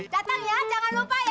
datang ya jangan lupa ya